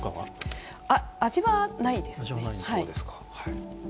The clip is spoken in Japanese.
味はないです。